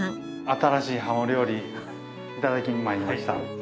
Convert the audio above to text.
新しいハモ料理頂きに参りました。